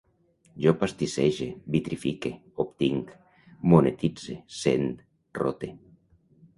Jo pastissege, vitrifique, obtinc, monetitze, sent, rote